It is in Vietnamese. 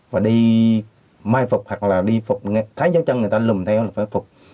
và đi mai phục hoặc là đi phục thái dấu chân người ta lùm theo là phải phục